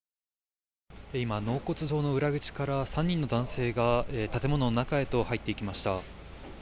今、納骨堂の裏口から３人の男性が建物の中へと入っていきました。